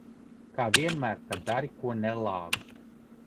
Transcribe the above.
Kā vienmēr, kad dari ko nelāgu.